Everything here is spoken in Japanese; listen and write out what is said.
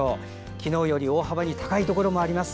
昨日より大幅に高いところもあります。